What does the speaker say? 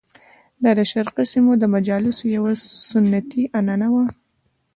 دا د شرقي سیمو د مجالسو یوه سنتي عنعنه وه.